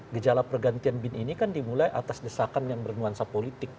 gejala pergantian bin ini kan dimulai atas desakan yang bernuansa politik